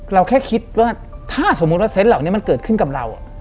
เราแค่คิดว่าถ้าเซนต์เหล่านี้มันเกิดขึ้นกับเรา